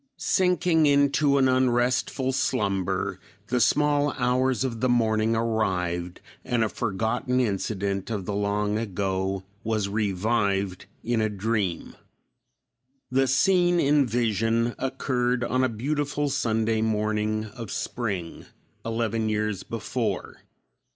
Sinking into an unrestful slumber, the small hours of the morning arrived, and a forgotten incident of the long ago was revived in a dream. The scene in vision occurred on a beautiful Sunday morning of spring, eleven years before.